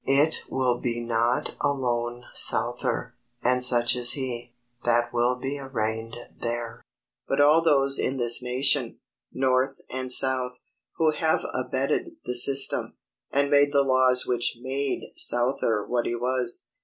It will be not alone Souther, and such as he, that will be arraigned there; but all those in this nation, north and south, who have abetted the system, and made the laws which MADE Souther what he was.